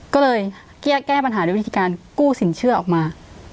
ก็เลยแก้ปัญหาด้วยวิธีการกู้สินเชื่อออกมา